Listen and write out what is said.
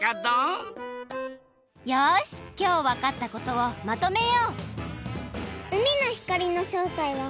よしきょうわかったことをまとめよう！